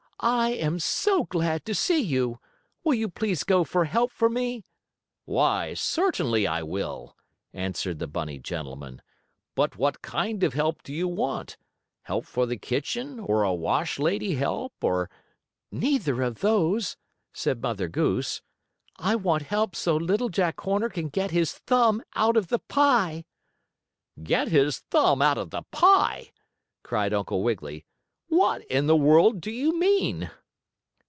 "I am so glad to see you! Will you please go for help for me?" "Why, certainly I will," answered the bunny gentleman. "But what kind of help do you want; help for the kitchen, or a wash lady help or " "Neither of those," said Mother Goose. "I want help so Little Jack Horner can get his thumb out of the pie." "Get his thumb out of the pie!" cried Uncle Wiggily. "What in the world do you mean?"